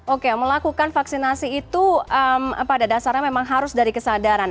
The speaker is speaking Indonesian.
oke melakukan vaksinasi itu pada dasarnya memang harus dari kesadaran